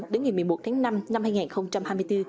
đến ngày một mươi một tháng năm năm hai nghìn hai mươi bốn